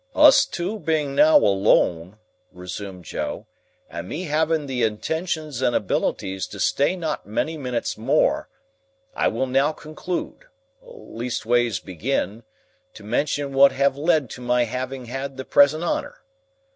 "Us two being now alone," resumed Joe, "and me having the intentions and abilities to stay not many minutes more, I will now conclude—leastways begin—to mention what have led to my having had the present honour.